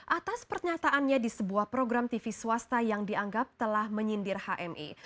atas pernyataannya di sebuah program tv swasta yang dianggap telah menyindir hmi